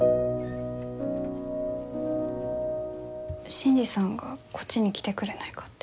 新次さんがこっちに来てくれないかって。